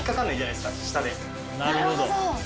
なるほど！